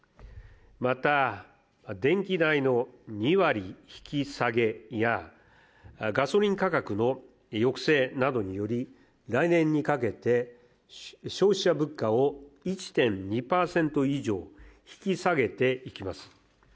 また、電気代の２割引き下げやガソリン価格の抑制などにより、来年にかけて消費者物価を１．２％以上引き下げていきます。